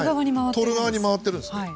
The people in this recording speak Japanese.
撮る側に回っているんです。